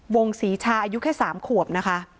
งศรีชาอายุแค่๓ขวบนะคะ